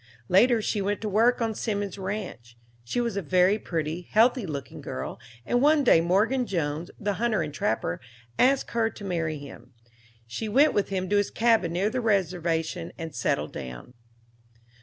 Later she went to work on Simmons' Ranch. She was a very pretty, healthy looking girl, and one day Morgan Jones, the hunter and trapper, asked her to marry him. She went with him to his cabin near the Reservation and settled down.